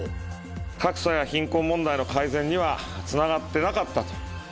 格差や貧困問題の改善にはつながってなかったと。